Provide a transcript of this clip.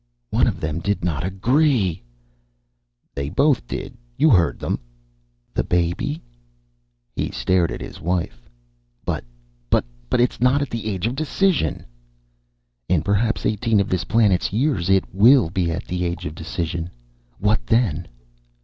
"One of them did not agree!" "They both did. You heard them." "The baby?" He stared at his wife. "But but it is not at the age of decision!" "In perhaps eighteen of this planet's years, it will be at the age of decision. What then?"